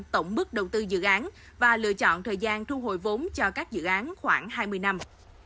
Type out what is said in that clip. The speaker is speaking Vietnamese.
tổng mức đầu tư dự án và lựa chọn thời gian thu hồi vốn cho các dự án khoảng hai mươi năm